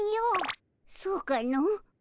そうかの。